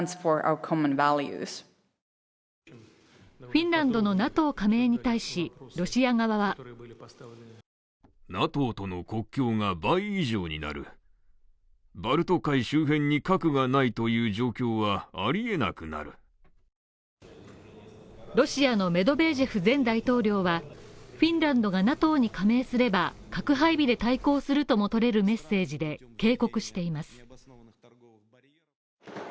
フィンランドのＮＡＴＯ加盟に対し、ロシア側はロシアのメドベージェフ前大統領はフィンランドがＮＡＴＯに加盟すれば、核配備で対抗するとも取れるメッセージで警告しています